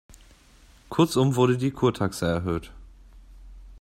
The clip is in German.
Kurzum wurde die Kurtaxe erhöht.